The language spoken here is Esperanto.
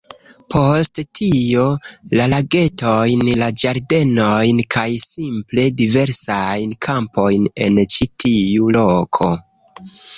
Post tio, la lagetojn, la ĝardenojn, kaj simple diversajn kampojn en ĉi tiu loko.